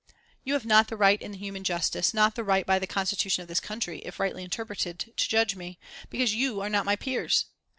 "You have not the right in human justice, not the right by the constitution of this country, if rightly interpreted, to judge me, because you are not my peers.